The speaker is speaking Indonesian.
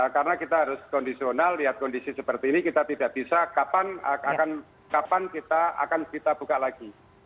karena kita harus kondisional lihat kondisi seperti ini kita tidak bisa kapan kita akan buka lagi